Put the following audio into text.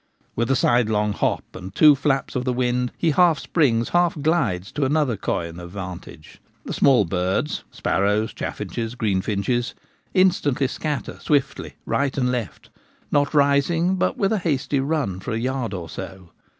With a sidelong hop and two flaps of the wing, he half springs, half glides to another coign of vantage. The small birds, sparrows, chaffinches, greenfinches — instantly scatter swiftly right and left, not rising, but with a hasty run for a yard or so.